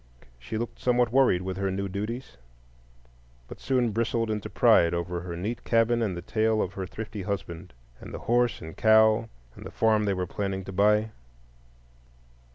She looked somewhat worried with her new duties, but soon bristled into pride over her neat cabin and the tale of her thrifty husband, and the horse and cow, and the farm they were planning to buy.